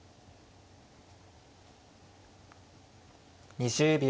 ２０秒。